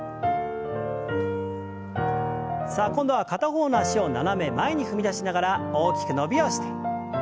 さあ今度は片方の脚を斜め前に踏み出しながら大きく伸びをして。